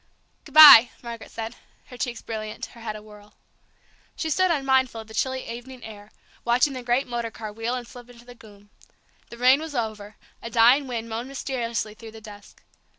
"Good bye!" Margaret said, her cheeks brilliant, her head awhirl. She stood unmindful of the chilly evening air, watching the great motor car wheel and slip into the gloom. The rain was over; a dying wind moaned mysteriously through the dusk.